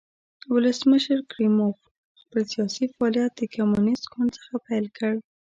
ولسمشر کریموف خپل سیاسي فعالیت د کمونېست ګوند څخه پیل کړ.